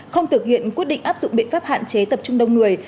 không thực hiện quyết định áp dụng biện pháp hạn chế tập trung đông người